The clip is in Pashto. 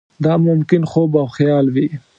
دا ممکن خوب او خیال وي.